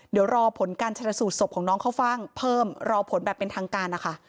เดี๋ยวรอผลการชนสูตรศพของน้องเข้าฟ่างเพิ่มรอผลแบบเป็นทางการนะคะ